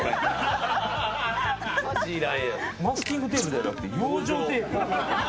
マスキングテープじゃなくてＹＯＪＯテープ？